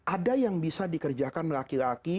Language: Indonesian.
ada yang bisa dikerjakan laki laki